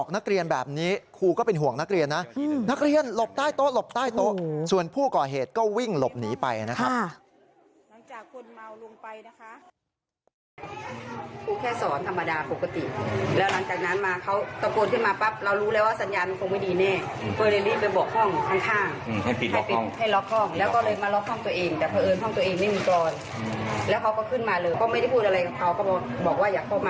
ครูแค่สอนธรรมดาปกติแล้วหลังจากนั้นมาเขาตะโกตขึ้นมาปั๊บเรารู้แล้วว่าสัญญามันคงไม่ดีแน่อืมไปเร็ว